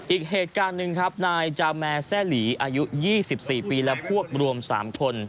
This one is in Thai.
อีกเหตุการณ์หนึ่งครับนายจาแมร์แซ่หลีอายุ๒๔ปีและพวกรวม๓คน